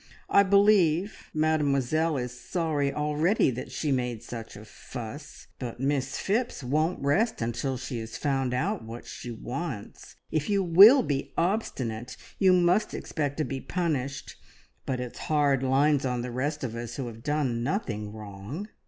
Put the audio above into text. I believe Mademoiselle is sorry already that she made such a fuss, but Miss Phipps won't rest until she has found out what she wants. If you will be obstinate, you must expect to be punished, but it's hard lines on the rest of us who have done nothing wrong."